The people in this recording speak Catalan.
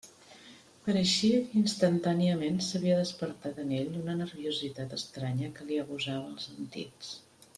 Pareixia que instantàniament s'havia despertat en ell una nerviositat estranya que li agusava els sentits.